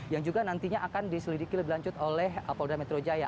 yang juga nantinya akan diselidiki lebih lanjut oleh polda metro jaya